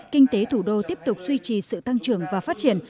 kinh tế thủ đô tiếp tục duy trì sự tăng trưởng và phát triển